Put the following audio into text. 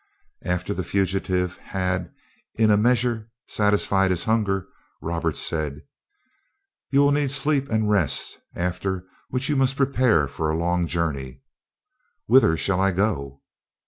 After the fugitive had in a measure satisfied his hunger, Robert said: "You will need sleep and rest, after which you must prepare for a long journey." "Whither shall I go?"